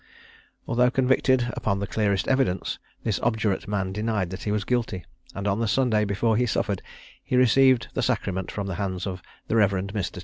Although convicted upon the clearest evidence, this obdurate man denied that he was guilty; and on the Sunday before he suffered, he received the sacrament from the hands of the Rev. Mr.